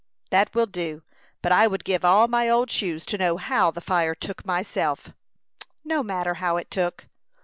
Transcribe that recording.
"That will do; but I would give all my old shoes to know how the fire took, myself." "No matter how it took."